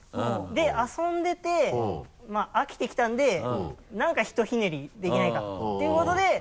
で遊んでてまぁ飽きてきたんで何かひとひねりできないか？ということで。